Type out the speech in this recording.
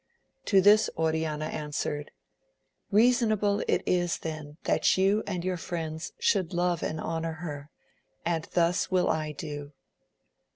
To this Oriana answered, Keasonable is it then that you and your friends should love and honour her, and thus will I do.